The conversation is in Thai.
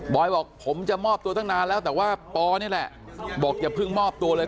บอกผมจะมอบตัวตั้งนานแล้วแต่ว่าปอนี่แหละบอกอย่าเพิ่งมอบตัวเลย